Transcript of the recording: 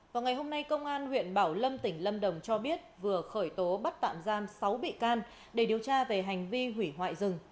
vào ngày hôm nay công an huyện bảo lâm tỉnh lâm đồng cho biết vừa khởi tố bắt tạm giam sáu bị can để điều tra về hành vi hủy hoại rừng